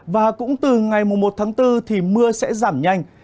và cũng từ ngày một tháng bốn thì mưa sẽ giảm nhanh